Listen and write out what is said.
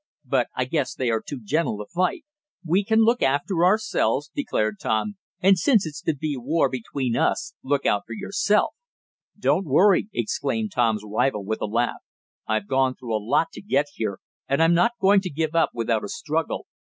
But I guess they are too gentle to fight." "We can look after ourselves," declared Tom. "And since it's to be war between us look out for yourself." "Don't worry!" exclaimed Tom's rival with a laugh. "I've gone through a lot to get here, and I'm not going to give up without a struggle.